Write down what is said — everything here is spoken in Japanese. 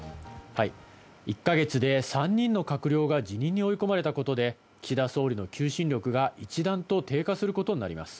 １か月で３人の閣僚が辞任に追い込まれたことで岸田総理の求心力が一段と低下することになります。